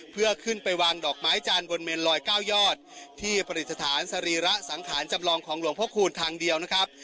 เพื่อขึ้นไปวางดอกไม้จันทร์บนเมนลอย๙ยอดที่ประดิษฐานสรีระสังขารจำลองของหลวงพระคูณทางเดียวนะครับ